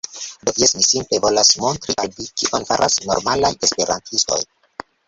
Do, jes mi simple volas montri al vi kion faras normalaj esperantistoj